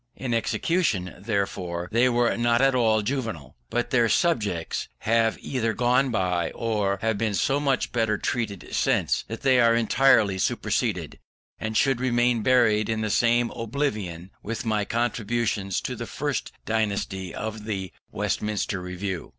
In execution, therefore, they were not at all juvenile; but their subjects have either gone by, or have been so much better treated since, that they are entirely superseded, and should remain buried in the same oblivion with my contributions to the first dynasty of the Westminster Review.